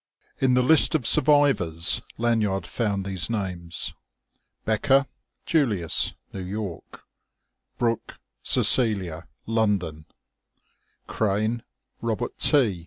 In the list of survivors Lanyard found these names: Becker, Julius New York Brooke, Cecelia London Crane, Robert T.